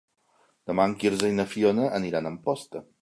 Demà en Quirze i na Fiona aniran a Amposta.